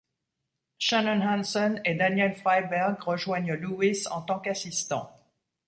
Shannon Hansen et Daniel Freiberg rejoignent Lewis en tant qu'assistants.